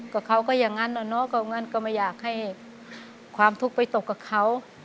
ก็เขาก็อย่างนั้นอะเนาะก็งั้นก็ไม่อยากให้ความทุกข์ไปตกกับเขา